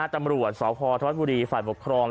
ตำรวจสพธวัฒนบุรีฝ่ายปกครอง